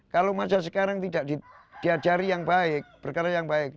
kalau masa sekarang tidak diajari yang baik berkarya yang baik